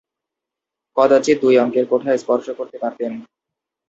কদাচিৎ দুই অঙ্কের কোঠায় স্পর্শ করতে পারতেন।